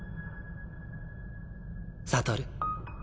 悟。